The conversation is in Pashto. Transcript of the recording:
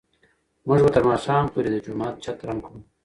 موږ به تر ماښامه پورې د جومات چت رنګ کړو.